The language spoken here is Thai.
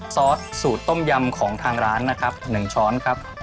ซอสสูตรต้มยำของทางร้านนะครับ๑ช้อนครับ